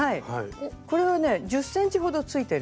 これはね１０ｃｍほどついてるんですね。